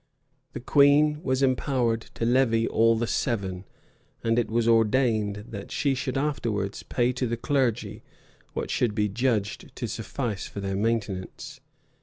The queen was empowered to levy all the seven; and it was ordained that she should afterwards pay to the clergy what should be judged to suffice for their maintenance.